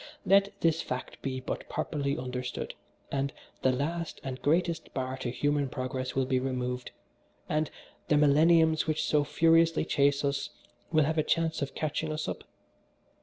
Let this fact be but properly understood, and the last and greatest bar to human progress will be removed, and 'the millenniums which so furiously chase us' will have a chance of catching us up.